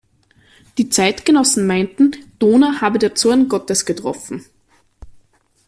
Die Zeitgenossen meinten, Dohna habe der Zorn Gottes getroffen.